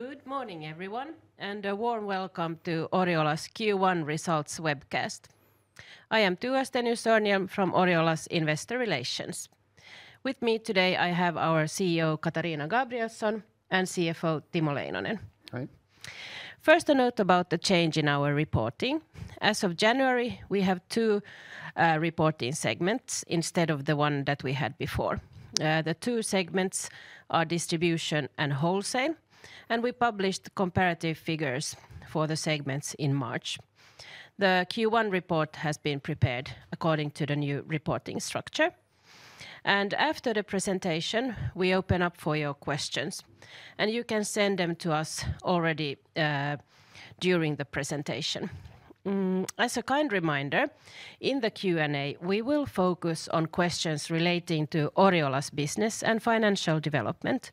Good morning, everyone, and a warm welcome to Oriola's Q1 results webcast. I am Tua Stenius-Örnhjelm from Oriola's Investor Relations. With me today, I have our CEO, Katarina Gabrielson, and CFO, Timo Leinonen. Hi. First, a note about the change in our reporting. As of January, we have two reporting segments instead of the one that we had before. The two segments are distribution and wholesale, and we published comparative figures for the segments in March. The Q1 report has been prepared according to the new reporting structure, and after the presentation, we open up for your questions, and you can send them to us already during the presentation. As a kind reminder, in the Q&A, we will focus on questions relating to Oriola's business and financial development.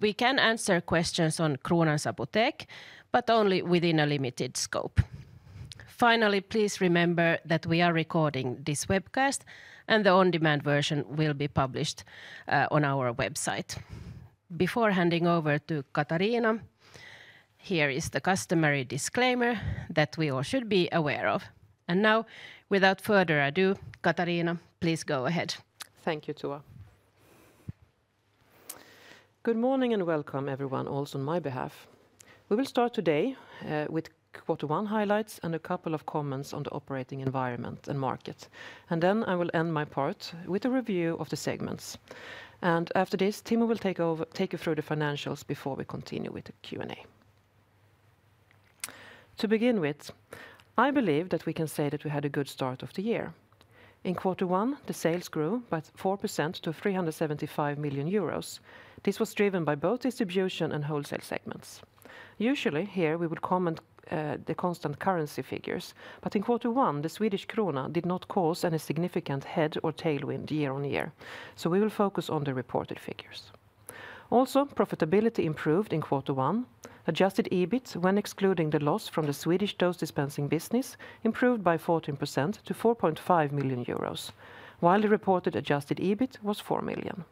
We can answer questions on Kronans Apotek, but only within a limited scope. Finally, please remember that we are recording this webcast, and the on-demand version will be published on our website. Before handing over to Katarina, here is the customary disclaimer that we all should be aware of. Now, without further ado, Katarina, please go ahead. Thank you, Tua. Good morning, and welcome everyone, also on my behalf. We will start today with quarter one highlights and a couple of comments on the operating environment and market. Then I will end my part with a review of the segments. After this, Timo will take over, take you through the financials before we continue with the Q&A. To begin with, I believe that we can say that we had a good start of the year. In quarter one, the sales grew by 4% to 375 million euros. This was driven by both distribution and wholesale segments. Usually, here, we would comment the constant currency figures, but in quarter one, the Swedish krona did not cause any significant head or tailwind year-on-year, so we will focus on the reported figures. Also, profitability improved in quarter one. Adjusted EBIT, when excluding the loss from the Swedish dose dispensing business, improved by 14% to 4.5 million euros, while the reported adjusted EBIT was 4 million.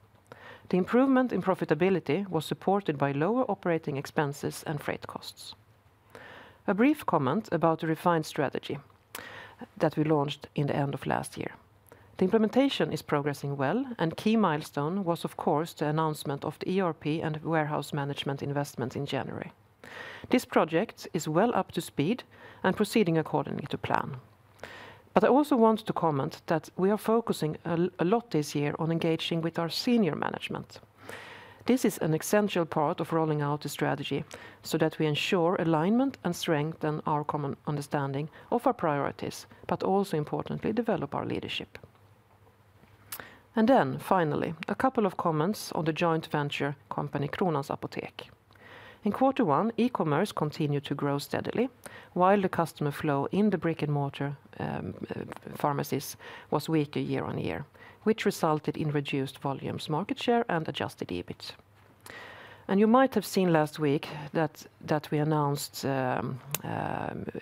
The improvement in profitability was supported by lower operating expenses and freight costs. A brief comment about the refined strategy that we launched in the end of last year. The implementation is progressing well, and key milestone was, of course, the announcement of the ERP and warehouse management investment in January. This project is well up to speed and proceeding accordingly to plan. But I also want to comment that we are focusing a lot this year on engaging with our senior management. This is an essential part of rolling out the strategy so that we ensure alignment and strength in our common understanding of our priorities, but also importantly, develop our leadership. And then finally, a couple of comments on the joint venture company, Kronans Apotek. In quarter one, e-commerce continued to grow steadily, while the customer flow in the brick-and-mortar pharmacies was weaker year-on-year, which resulted in reduced volumes, market share, and adjusted EBIT. And you might have seen last week that we announced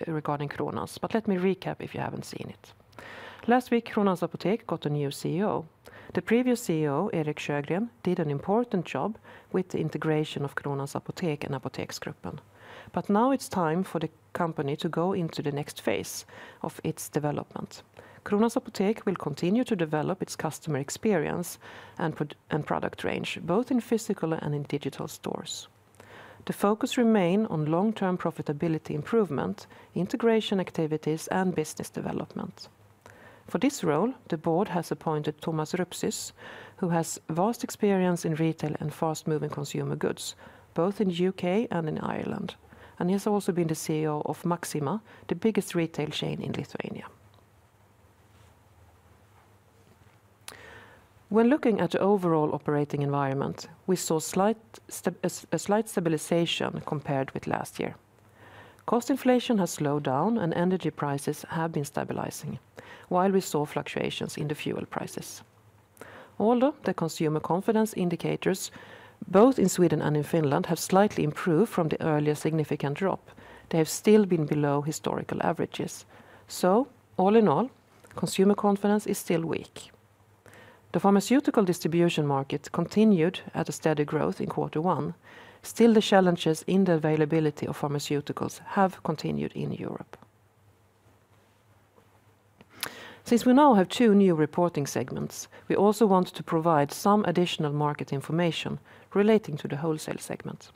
regarding Kronans, but let me recap if you haven't seen it. Last week, Kronans Apotek got a new CEO. The previous CEO, Erik Sjögren, did an important job with the integration of Kronans Apotek and Apoteksgruppen. But now it's time for the company to go into the next phase of its development. Kronans Apotek will continue to develop its customer experience and product range, both in physical and in digital stores. The focus remain on long-term profitability improvement, integration activities, and business development. For this role, the board has appointed Tomas Rupšys, who has vast experience in retail and fast-moving consumer goods, both in the U.K. and in Ireland, and he has also been the CEO of Maxima, the biggest retail chain in Lithuania. When looking at the overall operating environment, we saw a slight stabilization compared with last year. Cost inflation has slowed down, and energy prices have been stabilizing, while we saw fluctuations in the fuel prices. Although the consumer confidence indicators, both in Sweden and in Finland, have slightly improved from the earlier significant drop, they have still been below historical averages. So all in all, consumer confidence is still weak. The pharmaceutical distribution market continued at a steady growth in quarter one. Still, the challenges in the availability of pharmaceuticals have continued in Europe. Since we now have two new reporting segments, we also want to provide some additional market information relating to the wholesale segment.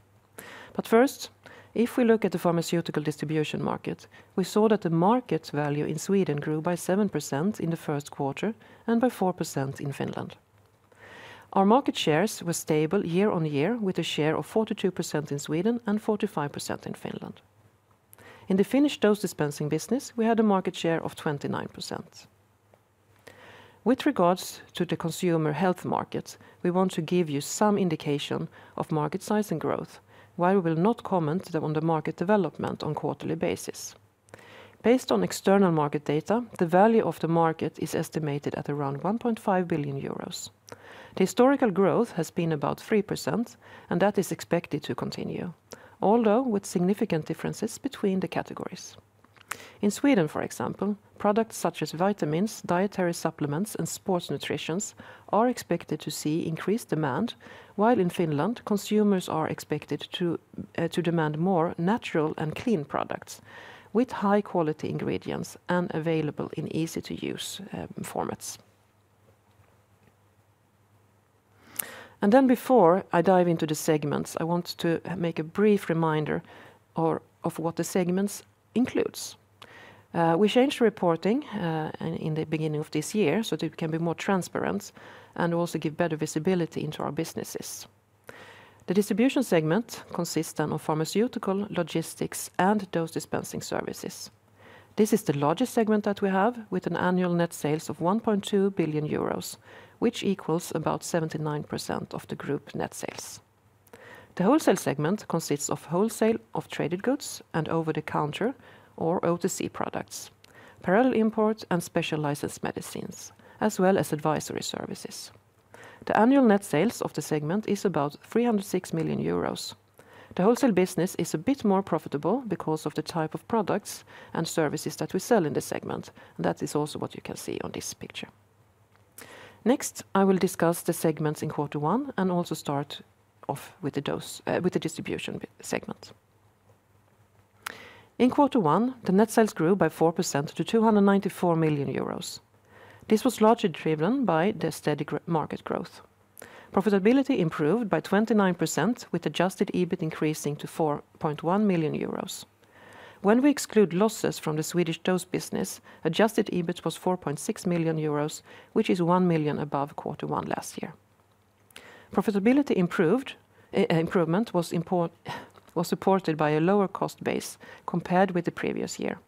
But first, if we look at the pharmaceutical distribution market, we saw that the market value in Sweden grew by 7% in the first quarter and by 4% in Finland. Our market shares were stable year-on-year, with a share of 42% in Sweden and 45% in Finland. In the Finnish dose dispensing business, we had a market share of 29%. With regards to the consumer health market, we want to give you some indication of market size and growth, while we will not comment on the market development on quarterly basis. Based on external market data, the value of the market is estimated at around 1.5 billion euros. The historical growth has been about 3%, and that is expected to continue, although with significant differences between the categories. In Sweden, for example, products such as vitamins, dietary supplements, and sports nutrition are expected to see increased demand. While in Finland, consumers are expected to demand more natural and clean products with high quality ingredients and available in easy-to-use formats. Then before I dive into the segments, I want to make a brief reminder or of what the segments includes. We changed the reporting in the beginning of this year, so it can be more transparent and also give better visibility into our businesses. The distribution segment consists then of pharmaceutical, logistics, and dose dispensing services. This is the largest segment that we have with an annual net sales of 1.2 billion euros, which equals about 79% of the group net sales. The wholesale segment consists of wholesale, of traded goods, and over-the-counter or OTC products, parallel imports and specialized medicines, as well as advisory services. The annual net sales of the segment is about 306 million euros. The wholesale business is a bit more profitable because of the type of products and services that we sell in this segment, and that is also what you can see on this picture. Next, I will discuss the segments in quarter one and also start off with the dose, with the distribution segment. In quarter one, the net sales grew by 4% to 294 million euros. This was largely driven by the steady market growth. Profitability improved by 29%, with adjusted EBIT increasing to 4.1 million euros. When we exclude losses from the Swedish dose business, adjusted EBIT was 4.6 million euros, which is 1 million above quarter one last year. Profitability improved. Improvement was supported by a lower cost base compared with the previous year.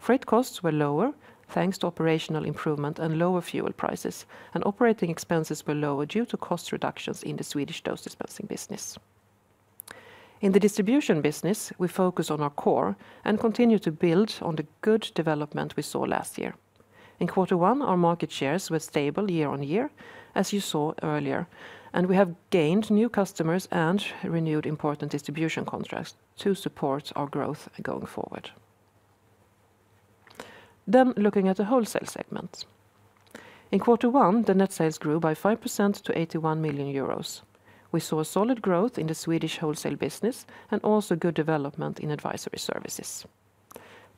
Freight costs were lower, thanks to operational improvement and lower fuel prices, and operating expenses were lower due to cost reductions in the Swedish dose dispensing business. In the distribution business, we focus on our core and continue to build on the good development we saw last year. In quarter one, our market shares were stable year-on-year, as you saw earlier, and we have gained new customers and renewed important distribution contracts to support our growth going forward. Then, looking at the wholesale segment. In quarter one, the net sales grew by 5% to 81 million euros. We saw a solid growth in the Swedish wholesale business and also good development in advisory services.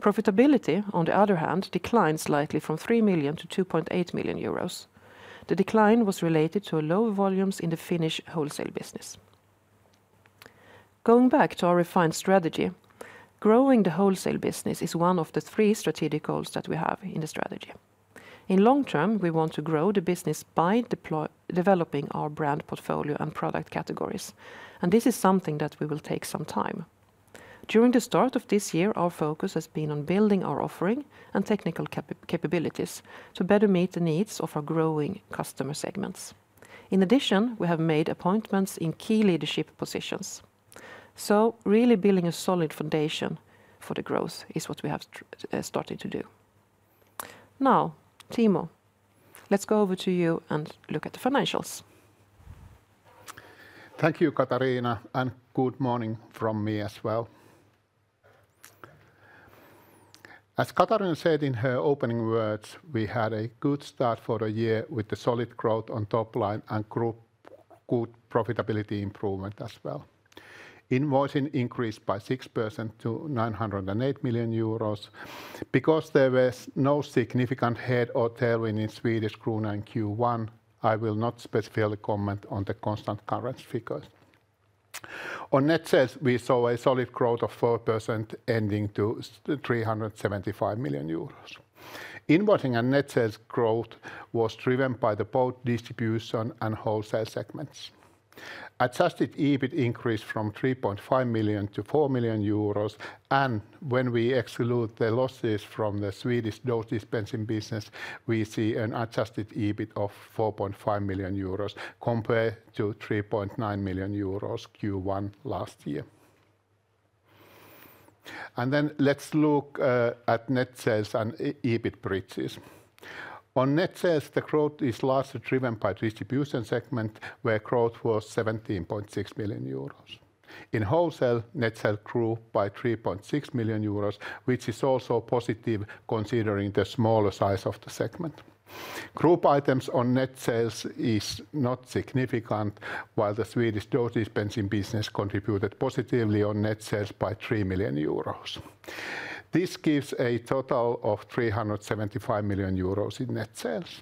Profitability, on the other hand, declined slightly from 3 million to 2.8 million euros. The decline was related to lower volumes in the Finnish wholesale business. Going back to our refined strategy, growing the wholesale business is one of the three strategic goals that we have in the strategy. In long term, we want to grow the business by developing our brand portfolio and product categories, and this is something that will take some time. During the start of this year, our focus has been on building our offering and technical capabilities to better meet the needs of our growing customer segments. In addition, we have made appointments in key leadership positions. So really building a solid foundation for the growth is what we have starting to do. Now, Timo, let's go over to you and look at the financials. Thank you, Katarina, and good morning from me as well. As Katarina said in her opening words, we had a good start for the year with the solid growth on top line and group, good profitability improvement as well. Invoicing increased by 6% to 908 million euros. Because there was no significant head or tailwind in Swedish krona in Q1, I will not specifically comment on the constant currency figures. On net sales, we saw a solid growth of 4%, ending to 375 million euros. Invoicing and net sales growth was driven by the both distribution and wholesale segments. Adjusted EBIT increased from 3.5 million to 4 million euros, and when we exclude the losses from the Swedish dose dispensing business, we see an adjusted EBIT of 4.5 million euros compared to 3.9 million euros Q1 last year. And then let's look at net sales and EBIT bridges. On net sales, the growth is largely driven by distribution segment, where growth was 17.6 million euros. In wholesale, net sales grew by 3.6 million euros, which is also positive considering the smaller size of the segment. Group items on net sales is not significant, while the Swedish dose dispensing business contributed positively on net sales by 3 million euros. This gives a total of 375 million euros in net sales.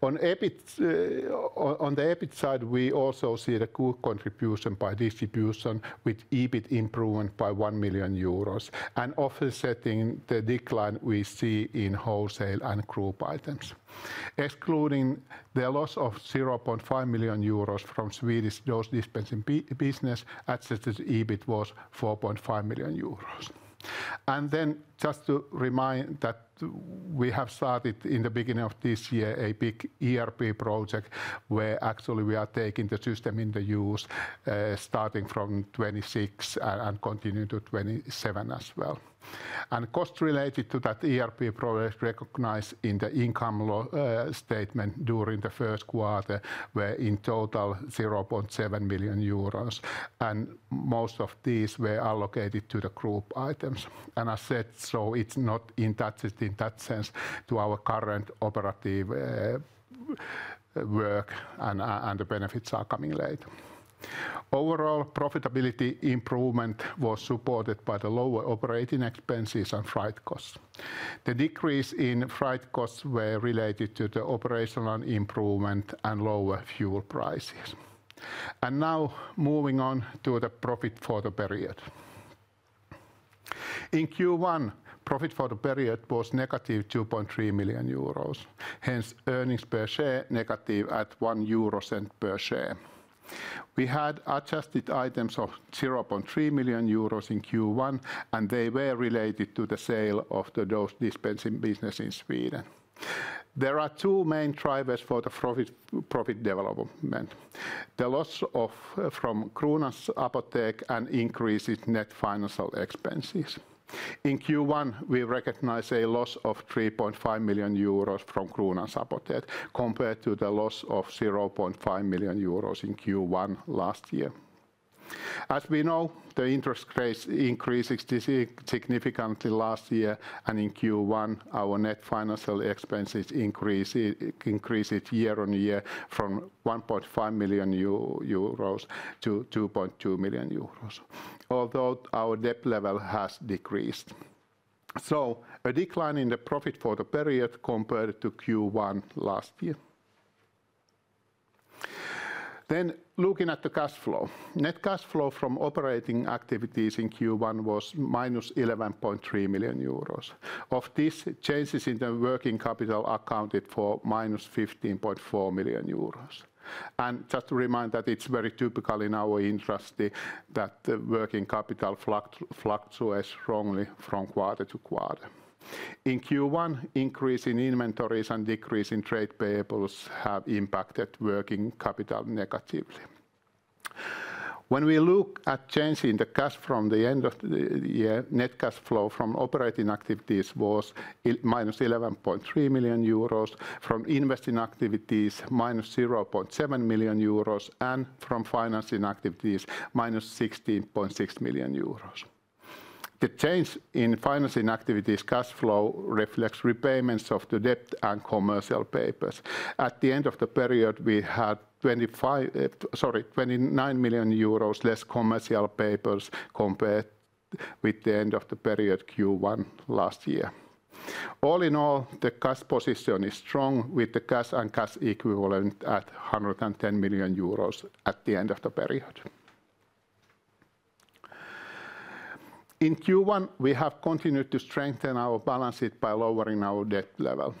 On EBIT, on the EBIT side, we also see the good contribution by distribution, with EBIT improvement by 1 million euros and offsetting the decline we see in wholesale and group items. Excluding the loss of 0.5 million euros from Swedish dose dispensing business, adjusted EBIT was 4.5 million euros. And then just to remind that we have started in the beginning of this year, a big ERP project, where actually we are taking the system into use, starting from 2026 and continue to 2027 as well. And costs related to that ERP project recognized in the income statement during the first quarter were in total 0.7 million euros, and most of these were allocated to the group items. And as said, so it's not in that, in that sense to our current operative work and, and the benefits are coming late. Overall, profitability improvement was supported by the lower operating expenses and freight costs. The decrease in freight costs were related to the operational improvement and lower fuel prices. Now moving on to the profit for the period. In Q1, profit for the period was negative 2.3 million euros, hence earnings per share negative at 0.01 per share. We had adjusted items of 0.3 million euros in Q1, and they were related to the sale of the dose dispensing business in Sweden. There are two main drivers for the profit development: the loss from Kronans Apotek and increase in net financial expenses. In Q1, we recognize a loss of 3.5 million euros from Kronans Apotek, compared to the loss of 0.5 million euros in Q1 last year. As we know, the interest rates increased significantly last year, and in Q1, our net financial expenses increased year-on-year from 1.5 million euros to 2.2 million euros, although our debt level has decreased. So a decline in the profit for the period compared to Q1 last year. Then looking at the cash flow. Net cash flow from operating activities in Q1 was -11.3 million euros. Of this, changes in the working capital accounted for -15.4 million euros. And just to remind that it's very typical in our industry that the working capital fluctuates strongly from quarter to quarter. In Q1, increase in inventories and decrease in trade payables have impacted working capital negatively. When we look at change in the cash from the end of the year, net cash flow from operating activities was minus 11.3 million euros, from investing activities minus 0.7 million euros, and from financing activities minus 16.6 million euros. The change in financing activities cash flow reflects repayments of the debt and commercial papers. At the end of the period, we had twenty-nine million euros less commercial papers compared with the end of the period Q1 last year. All in all, the cash position is strong, with the cash and cash equivalent at 110 million euros at the end of the period. In Q1, we have continued to strengthen our balance sheet by lowering our debt level.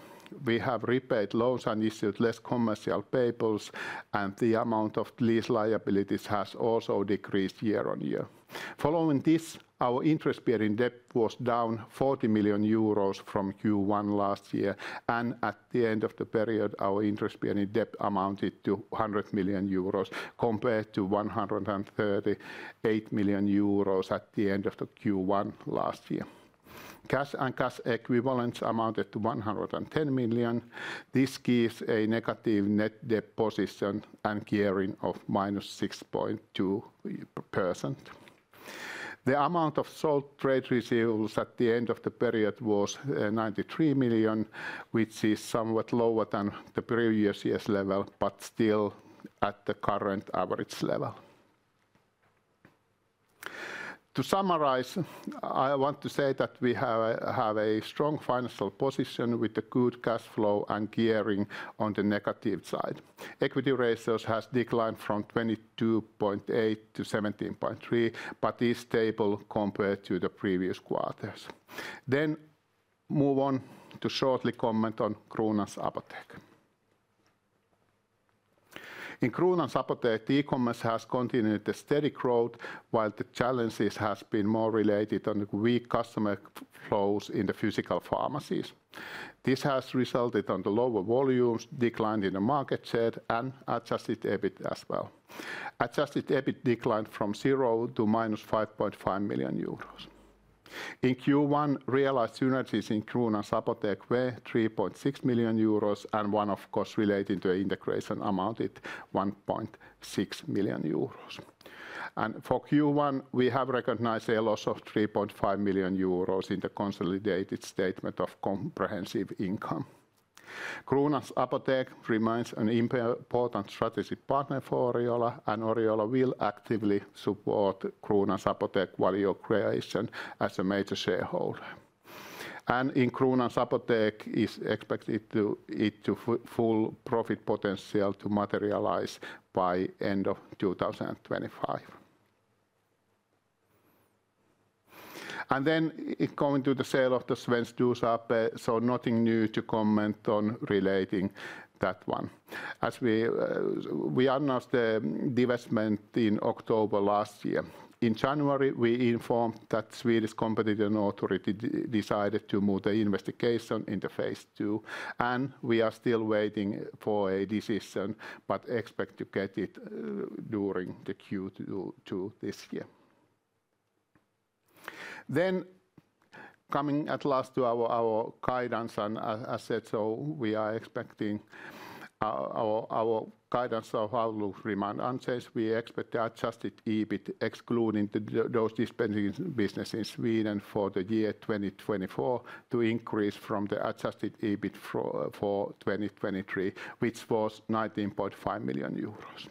We have repaid loans and issued less commercial papers, and the amount of lease liabilities has also decreased year-on-year. Following this, our interest-bearing debt was down 40 million euros from Q1 last year, and at the end of the period, our interest-bearing debt amounted to 100 million euros, compared to 138 million euros at the end of the Q1 last year. Cash and cash equivalents amounted to 110 million. This gives a negative net debt position and gearing of -6.2%. The amount of sold trade receivables at the end of the period was 93 million, which is somewhat lower than the previous year's level, but still at the current average level. To summarize, I want to say that we have a strong financial position with a good cash flow and gearing on the negative side. Equity ratio has declined from 22.8% to 17.3%, but is stable compared to the previous quarters. Then move on to shortly comment on Kronans Apotek. In Kronans Apotek, e-commerce has continued a steady growth, while the challenges has been more related on weak customer flows in the physical pharmacies. This has resulted on the lower volumes, decline in the market share, and adjusted EBIT as well. Adjusted EBIT declined from 0 to -5.5 million euros. In Q1, realized synergies in Kronans Apotek were 3.6 million euros, and one-off costs, related to integration amounted 1.6 million euros. For Q1, we have recognized a loss of 3.5 million euros in the consolidated statement of comprehensive income. Kronans Apotek remains an important strategic partner for Oriola, and Oriola will actively support Kronans Apotek value creation as a major shareholder. In Kronans Apotek, is expected for its full profit potential to materialize by end of 2025. Then going to the sale of the Svensk Dos AB, so nothing new to comment on relating that one. As we, we announced the divestment in October last year. In January, we informed that Swedish Competition Authority decided to move the investigation into phase two, and we are still waiting for a decision, but expect to get it, during the Q2 this year. Then coming at last to our, our guidance and, as said, so we are expecting, our, our guidance of our outlook remain unchanged. We expect the adjusted EBIT excluding the, the dose dispensing business in Sweden for the year 2024 to increase from the adjusted EBIT for, for 2023, which was 19.5 million euros.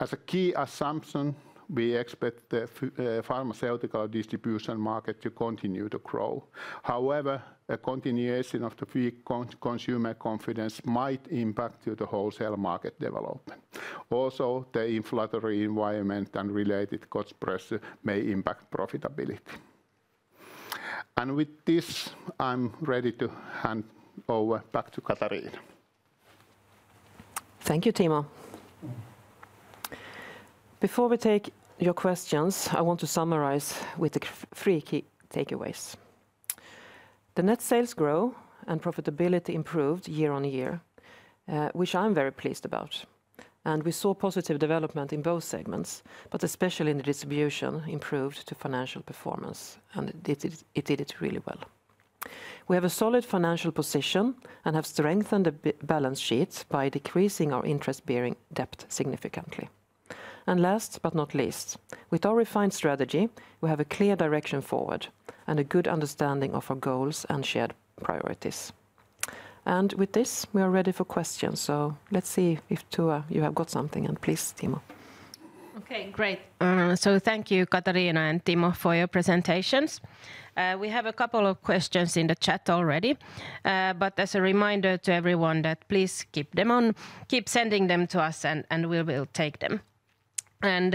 As a key assumption, we expect the pharmaceutical distribution market to continue to grow. However, a continuation of the weak consumer confidence might impact the wholesale market development. Also, the inflationary environment and related cost pressure may impact profitability. With this, I'm ready to hand over back to Katarina. Thank you, Timo. Before we take your questions, I want to summarize with the three key takeaways. The net sales grow and profitability improved year on year, which I'm very pleased about, and we saw positive development in both segments, but especially in the distribution, improved to financial performance, and it did it, it did it really well. We have a solid financial position and have strengthened the balance sheet by decreasing our interest-bearing debt significantly. And last but not least, with our refined strategy, we have a clear direction forward and a good understanding of our goals and shared priorities. And with this, we are ready for questions, so let's see if Tua, you have got something, and please, Timo. Okay, great. So thank you, Katarina and Timo, for your presentations. We have a couple of questions in the chat already, but as a reminder to everyone that please keep them on... Keep sending them to us, and we will take them. And,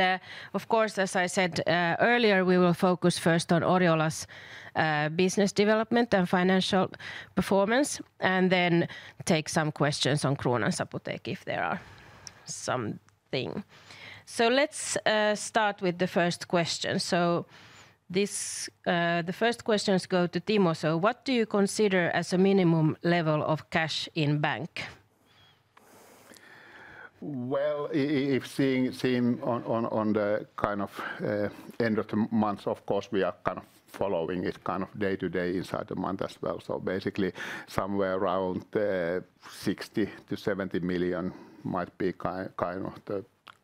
of course, as I said, earlier, we will focus first on Oriola's business development and financial performance, and then take some questions on Kronans Apotek if there are something. So let's start with the first question. So this, the first questions go to Timo. "So what do you consider as a minimum level of cash in bank? Well, if seeing on the kind of end of the month, of course, we are kind of following it kind of day to day inside the month as well. So basically, somewhere around 60 million-70 million might be kind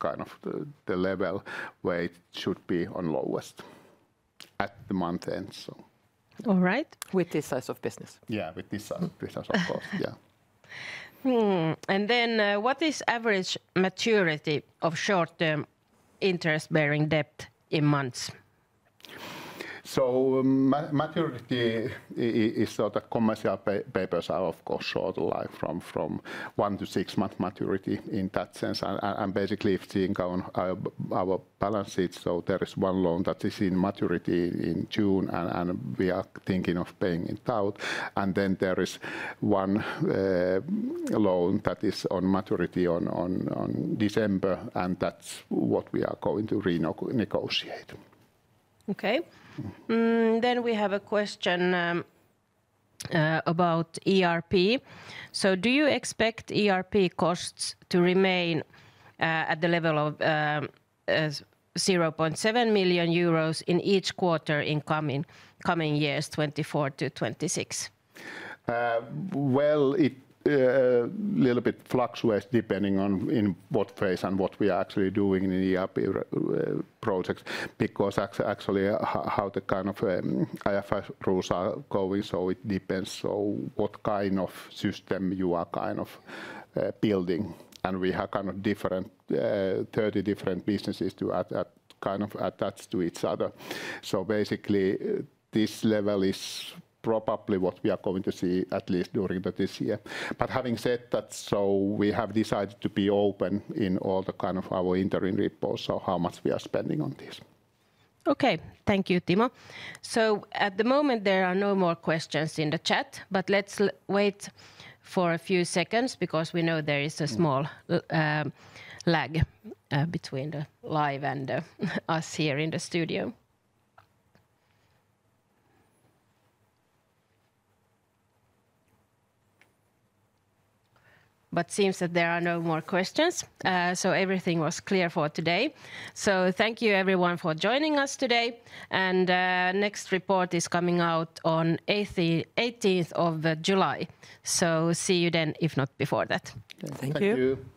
of the level where it should be on lowest at the month end, so. All right. With this size of business. Yeah, with this size of business, of course. Yeah. Hmm, and then, "What is average maturity of short-term interest-bearing debt in months? So maturity is so that commercial papers are, of course, short life, from 1-6 month maturity in that sense, and basically if seeing on our balance sheet, so there is one loan that is in maturity in June, and we are thinking of paying it out, and then there is one loan that is on maturity on December, and that's what we are going to renegotiate. Okay. Then we have a question about ERP: "So do you expect ERP costs to remain at the level of 0.7 million euros in each quarter in coming years, 2024 to 2026? Well, it little bit fluctuates depending on in what phase and what we are actually doing in the ERP project, because actually how the kind of IFRS rules are going, so it depends so what kind of system you are kind of building. And we have kind of different 30 different businesses to kind of attached to each other. So basically, this level is probably what we are going to see, at least during this year. But having said that, so we have decided to be open in all the kind of our interim reports, so how much we are spending on this. Okay. Thank you, Timo. So at the moment, there are no more questions in the chat, but let's wait for a few seconds because we know there is a small lag between the live and us here in the studio. But seems that there are no more questions, so everything was clear for today. So thank you everyone for joining us today, and next report is coming out on 18th of July. So see you then, if not before that. Thank you. Thank you!